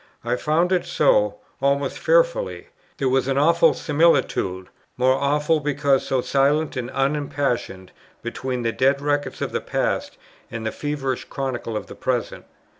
I found it so, almost fearfully; there was an awful similitude, more awful, because so silent and unimpassioned, between the dead records of the past and the feverish chronicle of the present.